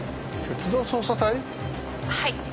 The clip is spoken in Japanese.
はい。